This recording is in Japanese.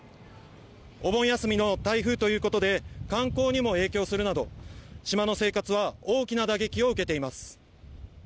お盆休みの台風ということで観光にも影響するなど島の生活は大きな打撃を受けています。